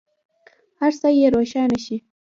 هر څه یې روښانه شي.